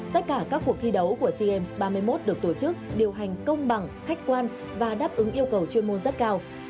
tất cả các cuộc thi đấu của sea games ba mươi một được tổ chức điều hành công bằng khách quan và đáp ứng yêu cầu chuyên môn rất cao